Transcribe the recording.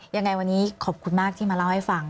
ยังไงวันนี้ขอบคุณมากที่มาเล่าให้ฟัง